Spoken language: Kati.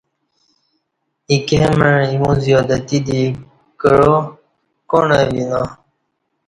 ایکے مع ایمو زیادتی دی کعا کاݨہ وینا۔